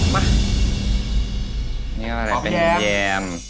เป็นแยม